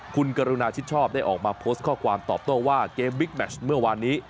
ผู้ชอบได้ออกมาโพสต์ข้อความตอบโต้วว่าเกมวิกแมชเมื่อวานนี้